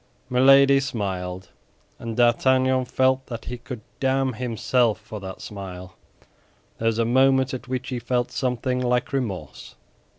Milady smiled, and D'Artagnan felt that he could damn himself for that smile. There was a moment at which he felt something like remorse.